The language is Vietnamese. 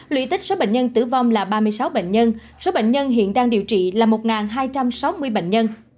lũy tích số bệnh nhân tử vong là ba mươi sáu bệnh nhân số bệnh nhân hiện đang điều trị là một hai trăm sáu mươi bệnh nhân